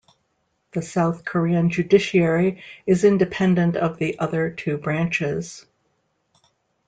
The South Korean judiciary is independent of the other two branches.